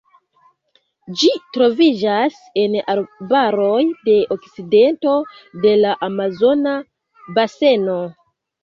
Ĝi troviĝas en arbaroj de okcidento de la Amazona Baseno.